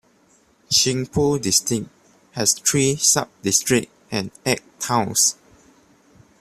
Qingpu District has three subdistricts and eight towns.